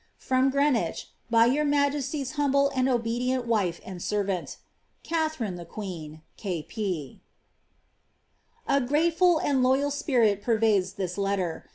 From Greenwich, by your majesty's bumble and obedient wife and servant, ^ Katketk THJt QuiiH, K. p." A grateful and loyal spirit pervades this letter.